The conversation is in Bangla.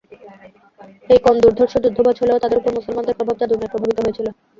এই কওম দুর্ধর্ষ যুদ্ধবাজ হলেও তাদের উপর মুসলমানদের প্রভাব যাদুর ন্যায় প্রভাবিত হয়েছিল।